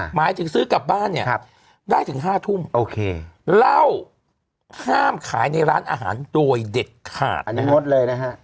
หมายถึงซื้อกลับบ้านเนี่ยได้ถึง๕ทุ่มโอเคเหล้าห้ามขายในร้านอาหารโดยเด็ดขาดอันนี้งดเลยนะฮะ